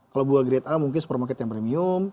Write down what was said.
kalau buah grade a mungkin supermarket yang premium